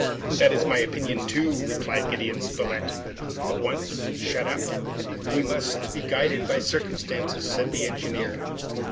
"That is, my opinion, too," replied Gideon Spilett, "but once shut up " "We must be guided by circumstances," said the engineer.